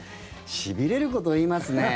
しびれること言いますね。